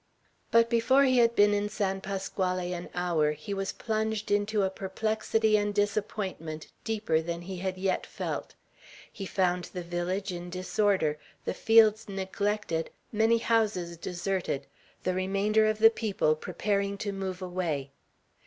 But before he had been in San Pasquale an hour, he was plunged into a perplexity and disappointment deeper than he had yet felt. He found the village in disorder, the fields neglected, many houses deserted, the remainder of the people preparing to move away.